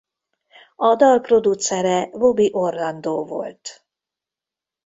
A dal producere Bobby Orlando volt.